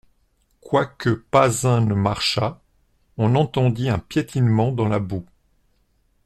Quoique pas un ne marchât, on entendait un piétinement dans la boue.